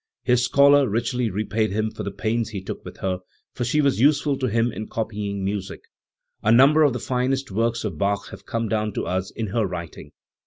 His scholar richly repaid him for the pains he took with her, for she was useful to him in copying music. A number of the finest works of Bach have come down to us in her writing.